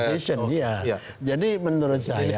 jadi poinnya ini benar